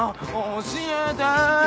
教えて！